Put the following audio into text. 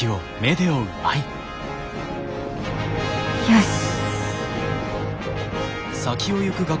よし。